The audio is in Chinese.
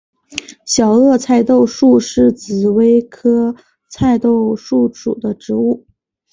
小萼菜豆树是紫葳科菜豆树属的植物。